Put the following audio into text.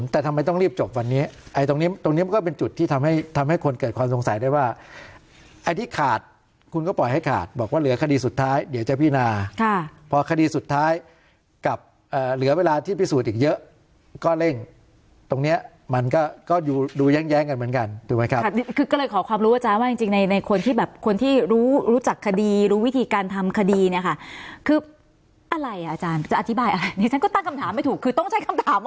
แต่ทำไมต้องรีบจบวันนี้ไอ้ตรงนี้ตรงนี้มันก็เป็นจุดที่ทำให้ทำให้คนเกิดความสงสัยได้ว่าไอ้ที่ขาดคุณก็ปล่อยให้ขาดบอกว่าเหลือคดีสุดท้ายเดี๋ยวจะพินาค่ะพอคดีสุดท้ายกับเหลือเวลาที่พิสูจน์อีกเยอะก็เร่งตรงเนี้ยมันก็ก็อยู่ดูแย้งแย้งกันเหมือนกันถูกไหมครับคือก็เลยขอความรู้ว่